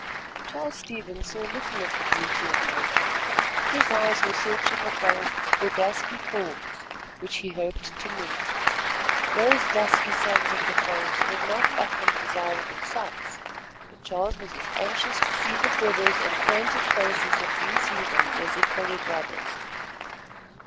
Charles Stevens saw little of the beauty of nature. His eyes were searching the forests for dusky forms, which he hoped to meet. Those dusky sons of the forest were not often desirable sights; but Charles was as anxious to see the feathers and painted faces of these heathens, as if they were brothers.